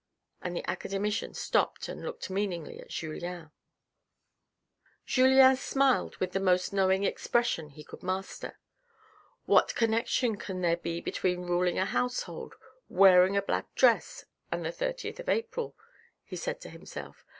" and the academician stopped and looked meaningly at Julien. Julien smiled with the most knowing expression he could master. " What connection can there be between ruling a household, wearing a black dress, and the thirtieth April?" he said to himself.